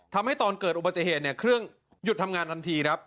ทำให้ตอนเกิดอุบัติเหตุเนี่ยเครื่องหยุดทำงานทันทีครับ